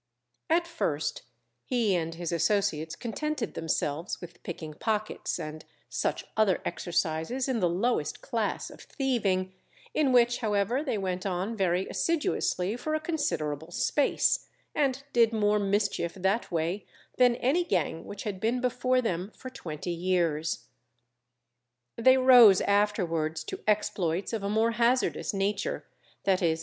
At first he and his associates contented themselves with picking pockets, and such other exercises in the lowest class of thieving, in which however they went on very assiduously for a considerable space, and did more mischief that way than any gang which had been before them for twenty years. They rose afterwards to exploits of a more hazardous nature, viz.